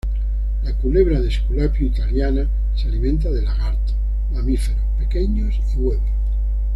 La culebra de Esculapio italiana se alimenta de lagartos, mamíferos pequeños, y huevos.